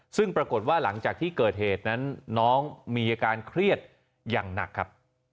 ซึ่งปรากฏว่าหลังจากที่เกิดเหตุนั้นน้องมีอาการเครียดอย่างหนักครับ